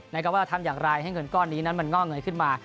ในกล้วงว่าทำอย่างไรให้เงินก้อนนี้มันเงาะเงินขึ้นมา